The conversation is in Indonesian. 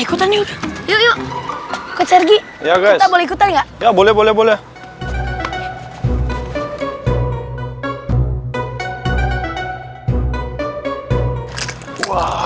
ini yuk yuk kecergi ya guys boleh boleh boleh boleh